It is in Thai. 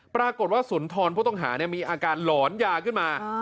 ปรากฏว่าสุนทรผู้ต้องหามีอาการหลอนยาขึ้นมา